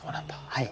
はい。